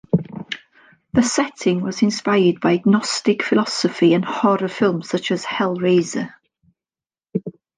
The setting was inspired by Gnostic philosophy and horror films such as "Hellraiser".